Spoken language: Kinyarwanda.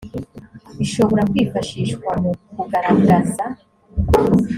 ishobora kwifashishwa mu kugaragaza